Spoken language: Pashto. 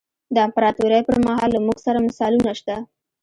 د امپراتورۍ پرمهال له موږ سره مثالونه شته.